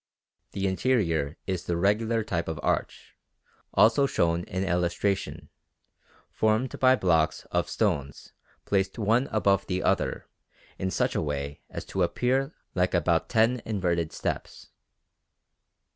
The interior is the regular type of arch, also shown in the illustration, formed by blocks of stones placed one above the other in such a way as to appear like about ten inverted steps.